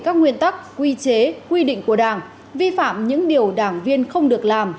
các nguyên tắc quy chế quy định của đảng vi phạm những điều đảng viên không được làm